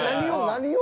何を？